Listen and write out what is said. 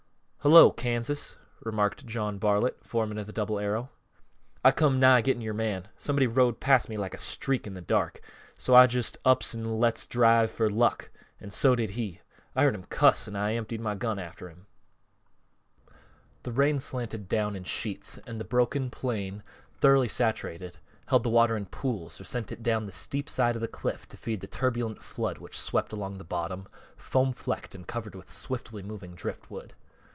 "Hullo, Kansas," remarked John Bartlett, foreman of the Double Arrow. "I come nigh getting yore man; somebody rode past me like a streak in th' dark, so I just ups an' lets drive for luck, an' so did he. I heard him cuss an' I emptied my gun after him." The rain slanted down in sheets and the broken plain, thoroughly saturated, held the water in pools or sent it down the steep side of the cliff to feed the turbulent flood which swept along the bottom, foam flecked and covered with swiftly moving driftwood.